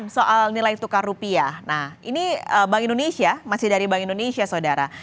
soal nilai tukar rupiah nah ini bank indonesia masih dari bank indonesia saudara